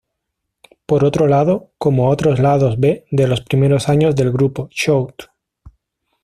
Por otro lado, como otros lados B de los primeros años del grupo, "Shout!